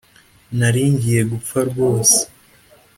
nari ngiye gupfa rwose.